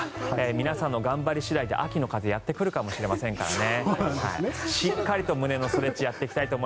皆さんの頑張り次第で秋の風がやってくるかもしれませんからね。